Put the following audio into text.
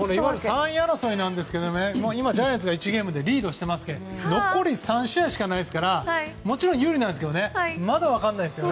３位争いなんですがジャイアンツが１ゲームリードしていますが残り３試合しかないですから有利なんですけどまだ分からないですね。